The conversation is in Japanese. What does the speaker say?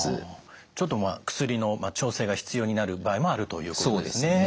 ちょっとまあ薬の調整が必要になる場合もあるということですね。